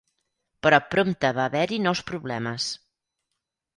Però prompte va haver-hi nous problemes.